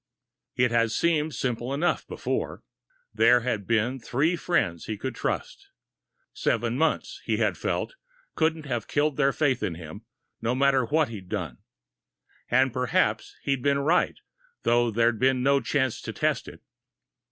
It had seemed simple enough, before. There had been three friends he could trust. Seven months, he had felt, couldn't have killed their faith in him, no matter what he'd done. And perhaps he'd been right, though there'd been no chance to test it.